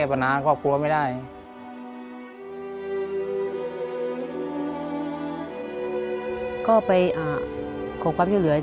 และกับผู้จัดการที่เขาเป็นดูเรียนหนังสือ